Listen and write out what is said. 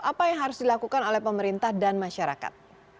apa yang harus dilakukan oleh pemerintah dan masyarakat